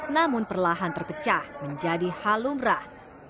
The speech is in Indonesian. namun perlahan terpecah menjadi halumrah